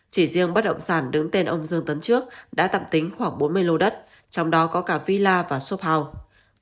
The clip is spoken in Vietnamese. chỉ riêng bất động sản đứng tên ông dương tấn trước đã tạm tính khoảng bốn mươi lô đất trong đó có cả villa và shop house